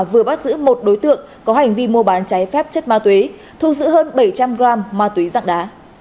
vừa bắt giữ một đối tượng có hành vi mua bán cháy phép chất ma túy thu giữ hơn bảy trăm linh g ma túy dạng đá